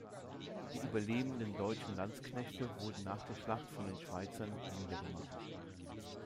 Die überlebenden deutschen Landsknechte wurden nach der Schlacht von den Schweizern niedergemacht.